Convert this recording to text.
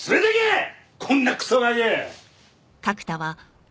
こんなクソガキ！